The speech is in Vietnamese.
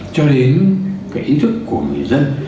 cho đến cái ý thức của người dân